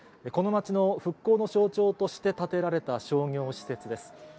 この町の復興の象徴として建てられた商業施設です。